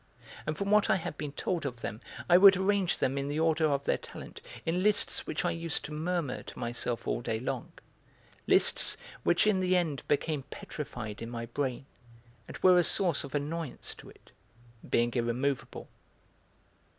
And from what I had been told of them I would arrange them in the order of their talent in lists which I used to murmur to myself all day long: lists which in the end became petrified in my brain and were a source of annoyance to it, being irremovable.